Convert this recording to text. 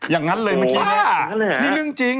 อย่างนั้นเลยเมื่อกี้นี่เรื่องจริง